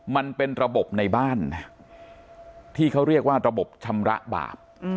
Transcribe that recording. มันเป็นระบบในบ้านนะที่เขาเรียกว่าระบบชำระบาป